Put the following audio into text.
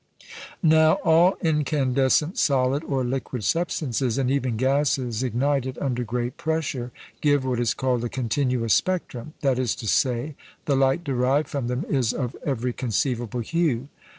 Now all incandescent solid or liquid substances, and even gases ignited under great pressure, give what is called a "continuous spectrum;" that is to say, the light derived from them is of every conceivable hue.